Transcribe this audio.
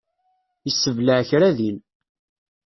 Yessebleε kra din.